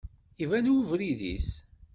Iban ubrid-is.